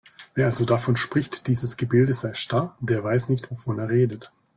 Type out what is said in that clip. Wer also davon spricht, dieses Gebilde sei starr, der weiß nicht, wovon er redet.